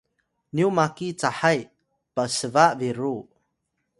nyu maki cahay psba biru